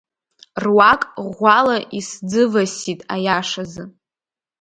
Руак ӷәӷәала исӡывасит аиашазы.